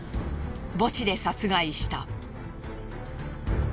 墓地で殺害した。